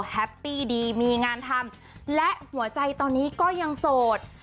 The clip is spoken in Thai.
แฮปปี้ดีมีงานทำและหัวใจตอนนี้ก็ยังโสด